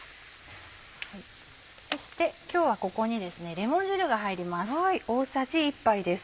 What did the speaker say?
そして今日はここにレモン汁が入ります。